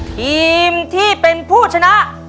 ทีมที่เป็นผู้ชนะ